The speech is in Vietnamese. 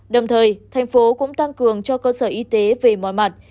đồng thời thành phố cũng tăng cường cho cơ sở y tế về mọi mặt